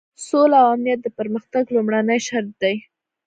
سوله او امنیت د پرمختګ لومړنی شرط دی.